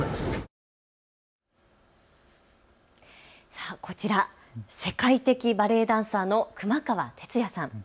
さあこちら、世界的バレエダンサーの熊川哲也さん。